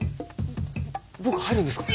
僕入るんですか？